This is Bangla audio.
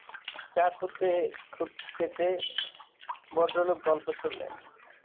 চা খোঁতে-খেতে ভদ্রলোক গল্প শুনলেন।